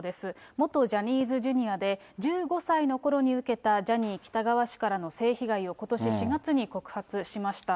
元ジャニーズＪｒ．で、１５歳のころに受けたジャニー喜多川氏からの性被害をことし４月に告発しました。